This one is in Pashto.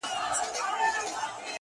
د سیالانو سره کله به سمېږې,